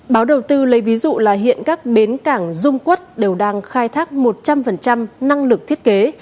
báo đầu tư lấy ví dụ là hiện các bến cảng dung quốc đều đang khai thác một trăm linh năng lực thiết kế